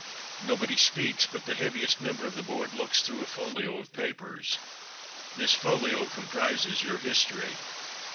Nobody speaks, but the heaviest member of the Board looks through a folio of papers. This folio comprises your history.